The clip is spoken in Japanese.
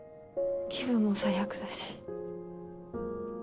気分も最悪だし。